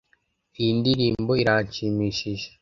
Iyi ndirimbo iranshimishije